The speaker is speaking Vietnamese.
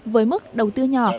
với mức đầu tư nhỏ